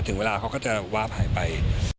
ถึงเวลาเขาก็จะวาบหายไป